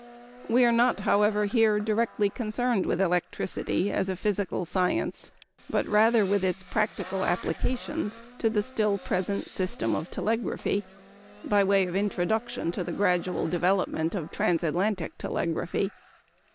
We are not, however, here directly concerned with electricity as a physical science, but rather with its practical applications to the still present system of telegraphy, by way of introduction to the gradual development of Trans Atlantic telegraphy.